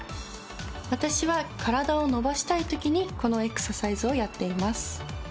私は体を伸ばしたいときにこのエクササイズをやっています。